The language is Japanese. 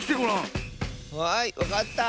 はいわかった！